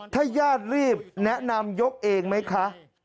ถ้าญาติรีบแนะนำยกเองไหมคะ